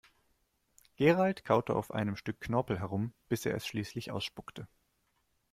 Gerald kaute auf einem Stück Knorpel herum, bis er es schließlich ausspuckte.